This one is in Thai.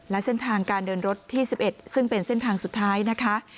และเส้นทางการเดินรถที่๑๑ซึ่งเป็นเส้นทางสุดท้ายนะคะ